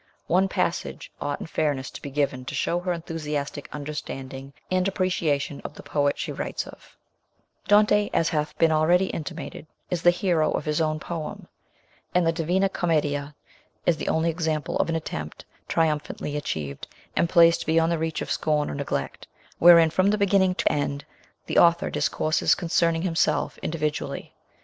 One passage ought in fairness to be given to show her enthusiastic understanding and appreciation of the poet she writes of: Dante, as hath been already intimated, is the hero of his own poem ; and the Divina Commedia is the only example of an attempt triumphantly achieved, and placed beyond the reach of scorn or neglect, wherein from beginning to end the author discourses con cerning himself individually.